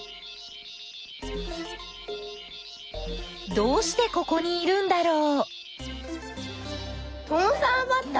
どうしてここにいるんだろう？